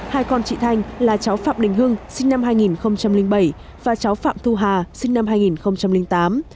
hai con chị thanh là cháu phạm đình hưng sinh năm hai nghìn bảy và cháu phạm thu hà sinh năm hai nghìn tám